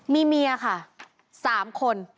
มีเมียค่ะ๓คน